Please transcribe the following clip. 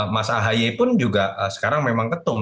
mas ahaye pun juga sekarang memang ketum